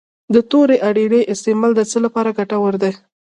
د تورې اریړې استعمال د څه لپاره ګټور دی؟